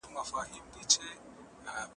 پارک د ټولنې رفتار تشریح کړ.